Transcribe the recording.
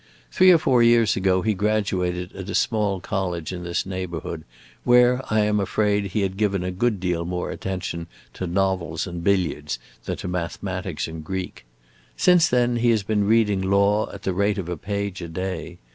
Three or four years ago he graduated at a small college in this neighborhood, where I am afraid he had given a good deal more attention to novels and billiards than to mathematics and Greek. Since then he has been reading law, at the rate of a page a day.